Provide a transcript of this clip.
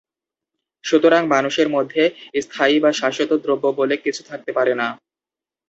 সুতরাং, মানুষের মধ্যে স্থায়ী বা শাশ্বত দ্রব্য বলে কিছু থাকতে পারে না।